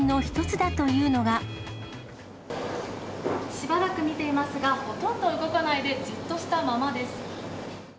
しばらく見ていますが、ほとんど動かないで、じっとしたままです。